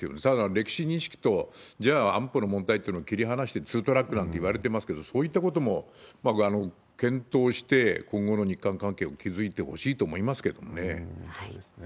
ただ、歴史認識と、じゃあ、安保の問題っていうのを切り離してツートラックなんていわれてますけど、そういったことも検討して、今後の日韓関係を築いてほしいと思いますけどね。